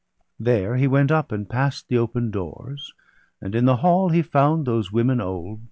There he went up, and pass'd the open doors; And in the hall he found those women old.